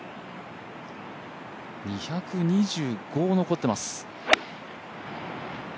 ２２５、残っています。